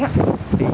để đảm bảo cho bà con